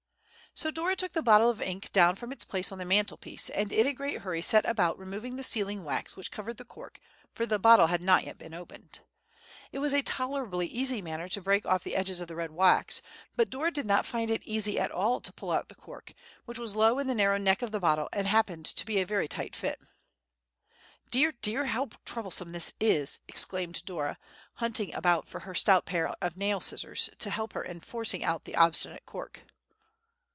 So Dora took the bottle of ink down from its place on the mantelpiece, and in a great hurry set about removing the sealing wax which covered the cork, for the bottle had not yet been opened. It was a tolerably easy matter to break off the edges of the red wax, but Dora did not find it easy at all to pull out the cork, which was low in the narrow neck of the bottle, and happened to be a very tight fit. "Dear! dear! how troublesome this is!" exclaimed Dora, hunting about for her stout pair of nail scissors to help her in forcing out the obstinate cork.